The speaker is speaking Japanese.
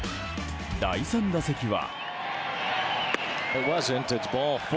第３打席は。